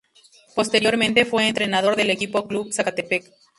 Posteriormente, fue entrenador del equipo Club Zacatepec.